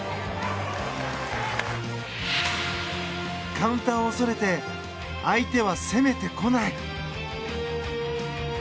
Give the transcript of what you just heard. カウンターを恐れて相手は攻めてこない。